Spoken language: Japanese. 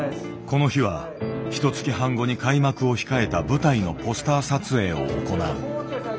この日はひと月半後に開幕を控えた舞台のポスター撮影を行う。